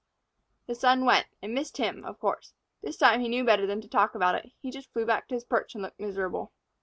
The son went, and missed him, of course. This time he knew better than to talk about it. He just flew back to his perch and looked miserable.